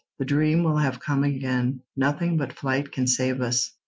The dream will have come again. Nothing but flight can save us.